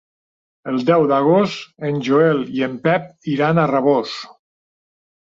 El deu d'agost en Joel i en Pep iran a Rabós.